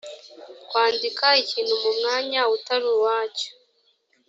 kwandika ikintu mu mwanya utari uwacyo